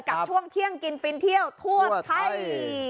กับช่วงเที่ยงกินฟินเที่ยวทั่วไทย